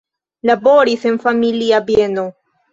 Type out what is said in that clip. Laboris en familia bieno.